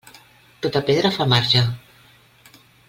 Tota pedra fa marge.